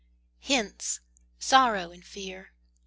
Hence! Sorrow and Fear!